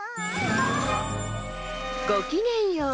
ごきげんよう。